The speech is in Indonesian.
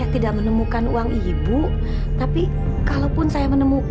tak perlu lah dor saja saja serius